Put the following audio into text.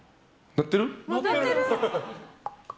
鳴ってる！